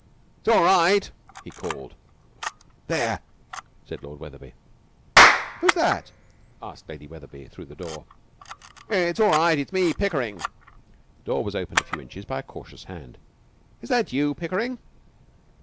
'It's all right!' he called. 'There!' said Lord Wetherby. 'Who's that?' asked Lady Wetherby, through the door. 'It's all right. It's me Pickering.' The door was opened a few inches by a cautious hand. 'Is that you, Pickering?'